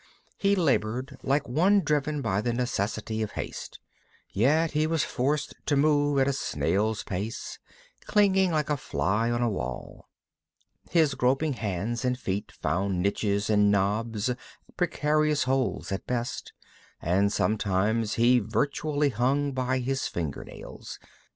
He labored like one driven by the necessity of haste; yet he was forced to move at a snail's pace, clinging like a fly on a wall. His groping hands and feet found niches and knobs, precarious holds at best, and sometimes he virtually hung by his finger nails.